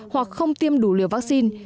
hoặc không tiêm đủ liều vaccine